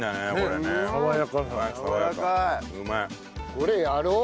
これやろう！